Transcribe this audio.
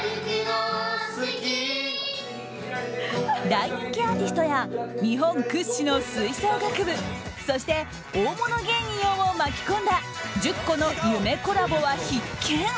大人気アーティストや日本屈指の吹奏楽部そして、大物芸人をも巻き込んだ１０個の夢コラボは必見。